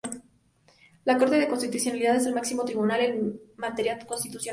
La Corte de Constitucionalidad es el máximo tribunal en materia constitucional.